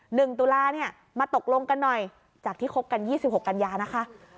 หนึ่งตุลามาตกลงกันหน่อยจากที่คบกัน๒๖กันยานะคะ